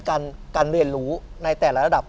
การเรียนรู้ในแต่ละระดับ